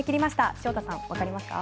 潮田さんわかりますか。